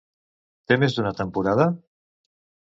Té més d'una temporada?